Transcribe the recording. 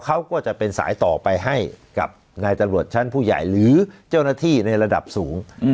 เขาก็จะเป็นสายต่อไปให้กับนายตำรวจชั้นผู้ใหญ่หรือเจ้าหน้าที่ในระดับสูง